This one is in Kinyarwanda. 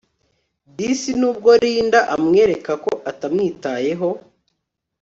disi nubwo Linda amwereka ko atamwitayeho